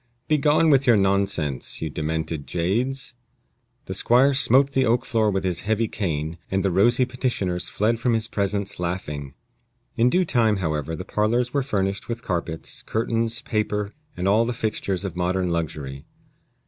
Begone with your nonsense, ye demented jades!" The squire smote the oak floor with his heavy cane, and the rosy petitioners fled from his presence laughing. In due time, however, the parlors were furnished with carpets, curtains, paper, and all the fixtures of modern luxury.